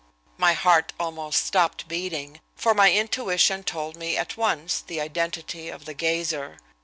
My heart almost stopped beating, for my intuition told me at once the identity of the gazer.